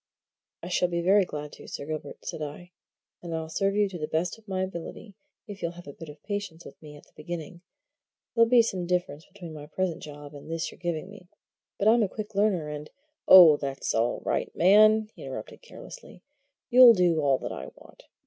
"I shall be very glad to, Sir Gilbert," said I. "And I'll serve you to the best of my ability, if you'll have a bit of patience with me at the beginning. There'll be some difference between my present job and this you're giving me, but I'm a quick learner, and " "Oh, that's all right, man!" he interrupted carelessly. "You'll do all that I want.